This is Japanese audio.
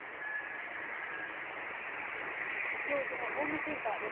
八王子のホームセンターです。